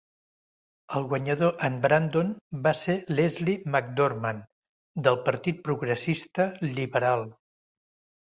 El guanyador en Brandon va ser Leslie McDorman del partit Progressista Liberal.